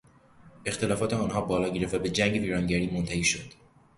اختلافات آنها بالا گرفت و به جنگ ویرانگری منتهی شد.